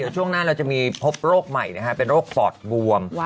ช่วงหน้าเราจะมีพบโรคใหม่เป็นโรคปอดบวม